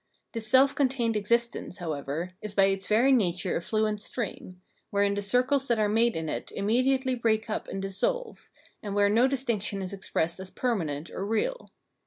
This self contained existence, how ever, is by its very nature a fluent stream, wherein the circles that are made in it immediately break up and dissolve, and where no distinction is expressed as permanent, or real.